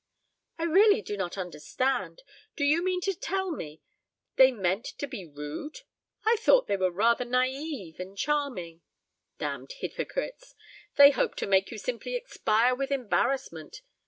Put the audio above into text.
"I really do not understand. Do you mean to tell me they meant to be rude? I thought they were rather naïve and charming." "Damned hypocrites. They hoped to make you simply expire with embarrassment.